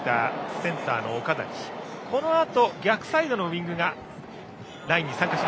そのあと、逆サイドのウイングがラインに参加。